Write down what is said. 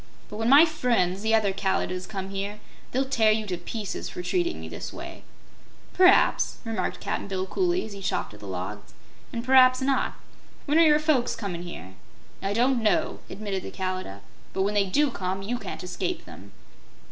But when my friends, the other Kalidahs, come here, they'll tear you to pieces for treating me this way." "P'raps," remarked Cap'n Bill, coolly, as he chopped at the logs, "an' p'raps not. When are your folks comin' here?" "I don't know," admitted the Kalidah. "But when they DO come, you can't escape them."